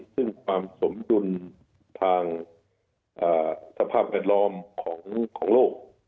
ซึ่งความสมดุลทางสภาพแวดล้อมของโลก